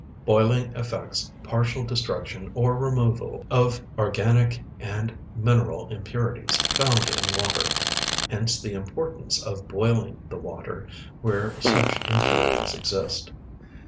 Boiling effects partial destruction or removal of organic and mineral impurities found in water, hence the importance of boiling the water where such impurities exist.